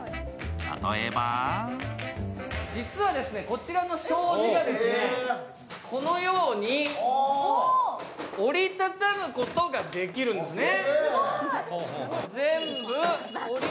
例えばこちらの障子が、このように折り畳むことができるんですね。